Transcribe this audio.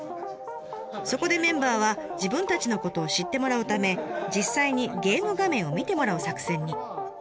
そこでメンバーは自分たちのことを知ってもらうため実際にゲーム画面を見てもらう作戦に。